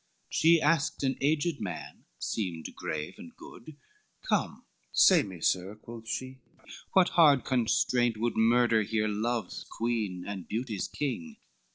She asked an aged man, seemed grave and good, "Come say me, sir," quoth she, "what hard constraint Would murder here love's queen and beauty's king?